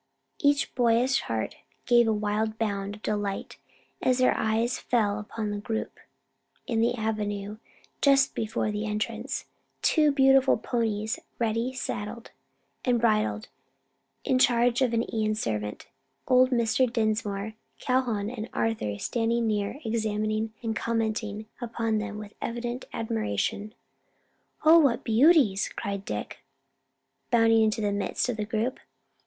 Each boyish heart gave a wild bound of delight as their eyes fell upon a group in the avenue, just before the entrance; two beautiful ponies, ready saddled and bridled, in charge of an Ion servant; old Mr. Dinsmore, Calhoun and Arthur standing near examining and commenting upon them with evident admiration. "O, what beauties!" cried Dick, bounding into the midst of the group.